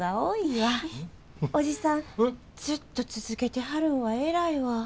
おじさんずっと続けてはるんは偉いわ。